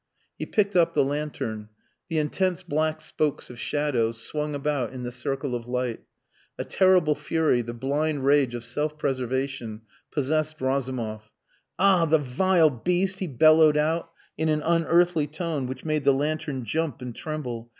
He picked up the lantern. The intense black spokes of shadow swung about in the circle of light. A terrible fury the blind rage of self preservation possessed Razumov. "Ah! The vile beast," he bellowed out in an unearthly tone which made the lantern jump and tremble!